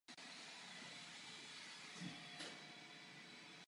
Od té doby dělala Komise svou práci.